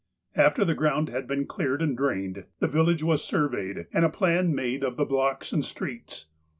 After the ground had been cleared and drained, the village was surveyed, and a plan made of the blocks and streets.